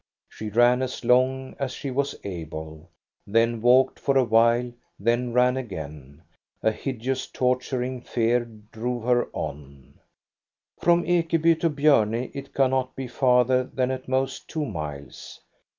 She ran as long as she wa» able, then walked for a while, then ran again. A hideous, tortur ing fear drove her on. From Ekeby to Bjorne it cannot be farther than at most two miles.